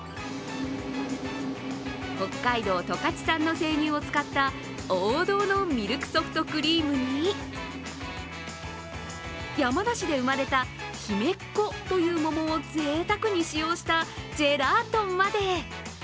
北海道十勝産の生乳を使った王道のミルクソフトクリームに山梨で生まれたひめっこという桃をぜいたくに使用したジェラートまで。